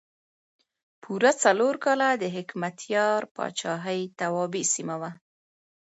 پوره څلور کاله د حکمتیار پاچاهۍ توابع سیمه وه.